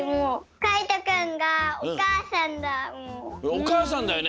おかあさんだよね